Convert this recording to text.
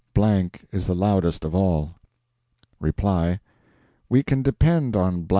.... is the loudest of all. REPLY: We can depend on...